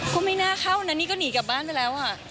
ก็ไม่น่าเข้านะนี่ก็หนีกลับบ้านไปแล้วอ่ะ